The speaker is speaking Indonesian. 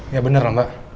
ya beneran mbak